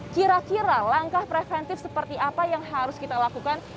kira kira langkah preventif seperti apa yang harus kita lakukan